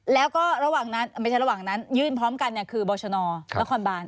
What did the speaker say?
แล้วก็ระหว่างนั้นไม่ใช่ระหว่างนั้นยื่นพร้อมกันคือบรชนนครบาน